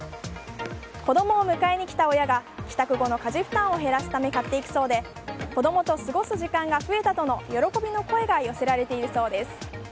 子供を迎えに来た親が帰宅後の家事負担を減らすため買っていくそうで子供と過ごす時間が増えたとの喜びの声が寄せられているそうです。